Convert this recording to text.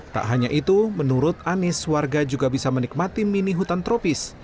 tak hanya itu menurut anies warga juga bisa menikmati mini hutan tropis